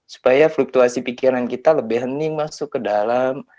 supaya fluktuasi pikiran kita lebih hening masuk ke dalam